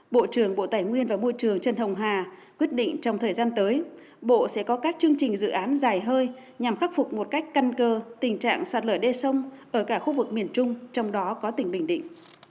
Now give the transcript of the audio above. bộ trưởng bộ tài nguyên và môi trường trần hồng hà quyết định trong thời gian tới bộ sẽ có các chương trình dự án dài hơi nhằm khắc phục một cách căn cơ tình trạng sạt lở đê sông ở cả khu vực miền trung trong đó có tỉnh bình định